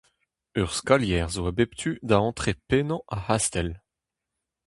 Ur skalier zo a bep tu da antre pennañ ar c'hastell.